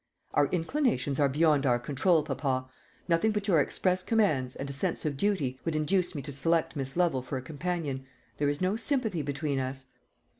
"Our inclinations are beyond our control, papa. Nothing but your express commands, and a sense of duty, would induce me to select Miss Lovel for a companion. There is no sympathy between us."